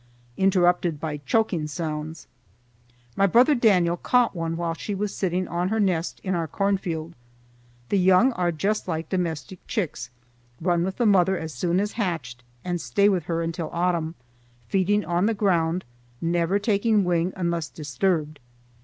_ interrupted by choking sounds. My brother Daniel caught one while she was sitting on her nest in our corn field. The young are just like domestic chicks, run with the mother as soon as hatched, and stay with her until autumn, feeding on the ground, never taking wing unless disturbed.